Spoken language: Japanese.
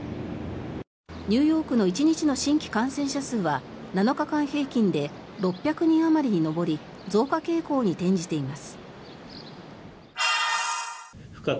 ニューヨークの１日の新規感染者数は７日間平均で６００人あまりに上り増加傾向に転じています。